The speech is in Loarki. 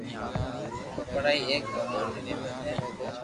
پڙائي ايڪ ڀگوان ري نعمت ھي